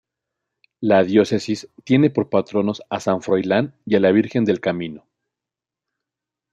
La diócesis tiene por patronos a San Froilán y a la Virgen del Camino.